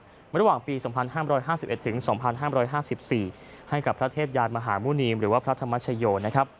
ระหว่างปี๒๕๕๑ถึง๒๕๕๔ให้กับพระเทพยานมหาหมุณีมหรือว่าพระธรรมชโย